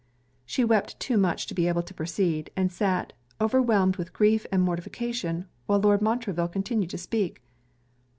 She wept too much to be able to proceed; and sat, overwhelmed with grief and mortification, while Lord Montreville continued to speak.